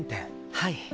はい。